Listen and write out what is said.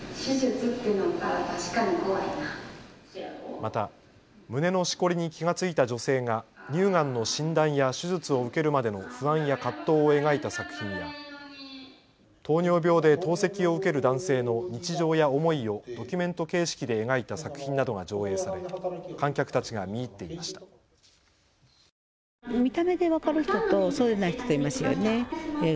また胸のしこりに気が付いた女性が乳がんの診断や手術を受けるまでの不安や葛藤を描いた作品や、糖尿病で透析を受ける男性の日常や思いをドキュメント形式で描いた作品などが上映され観客たちが見入っていました。